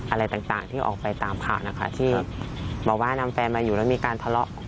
อะไรต่างที่ออกไปตามข่าวนะคะที่บอกว่านำแฟนมาอยู่แล้วมีการทะเลาะ